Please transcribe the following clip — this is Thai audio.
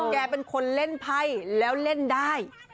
แกเป็นคนเล่นไพ่แล้วเล่นได้